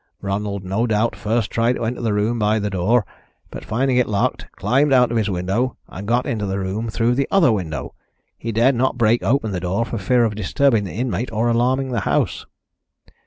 Ronald no doubt first tried to enter the room by the door, but, finding it locked, climbed out of his window, and got into the room through the other window. He dared not break open the door for fear of disturbing the inmate or alarming the house."